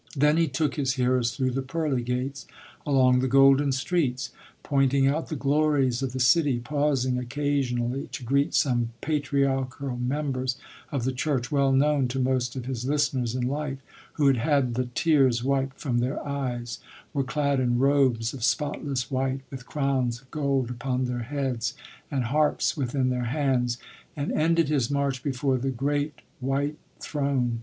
Then he took his hearers through the pearly gates, along the golden streets, pointing out the glories of the city, pausing occasionally to greet some patriarchal members of the church, well known to most of his listeners in life, who had had "the tears wiped from their eyes, were clad in robes of spotless white, with crowns of gold upon their heads and harps within their hands," and ended his march before the great white throne.